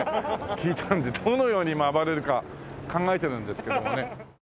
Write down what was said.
聞いたのでどのように今暴れるか考えてるんですけどもね。